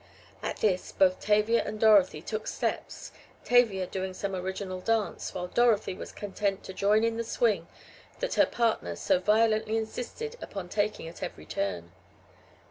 At this both Tavia and Dorothy "took steps," Tavia doing some original dance while Dorothy was content to join in the swing that her partner so violently insisted upon taking at every turn.